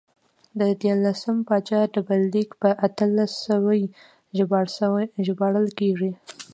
د دیارلسم پاچا ډبرلیک په اتلس سوی ژباړل کېږي